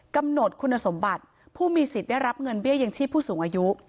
กำหนดคุณสมบัติผู้มีสิทธิ์ได้รับเงินเบี้ยยังชีพผู้สูงอายุ